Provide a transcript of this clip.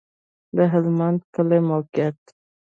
د هلمند کلی موقعیت